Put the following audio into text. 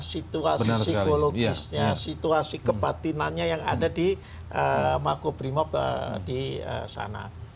situasi psikologisnya situasi kebatinannya yang ada di makobrimob di sana